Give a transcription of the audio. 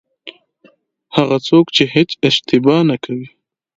هغه څوک چې هېڅ اشتباه نه کوي.